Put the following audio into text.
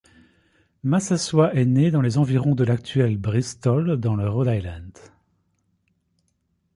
Massasoit est né dans les environs de l’actuel Bristol, dans le Rhode Island.